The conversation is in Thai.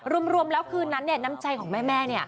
รวมแล้วคืนนั้นน้ำใจของแม่